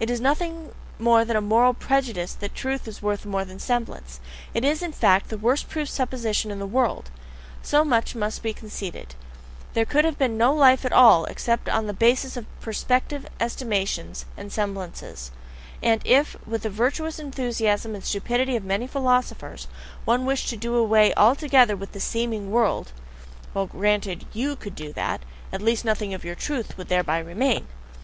It is nothing more than a moral prejudice that truth is worth more than semblance; it is, in fact, the worst proved supposition in the world. So much must be conceded: there could have been no life at all except upon the basis of perspective estimates and semblances; and if, with the virtuous enthusiasm and stupidity of many philosophers, one wished to do away altogether with the "seeming world" well, granted that YOU could do that, at least nothing of your "truth" would thereby remain!